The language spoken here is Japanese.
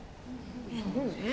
そうねえ。